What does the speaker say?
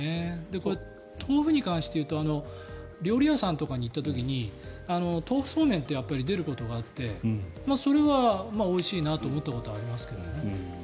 これ、豆腐に関して言うと料理屋さんとかに行った時に豆腐そうめんって出ることがあってそれはおいしいなと思ったことがありますけどね。